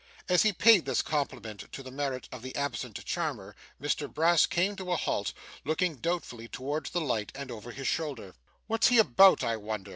As he paid this compliment to the merit of the absent charmer, Mr Brass came to a halt; looking doubtfully towards the light, and over his shoulder. 'What's he about, I wonder?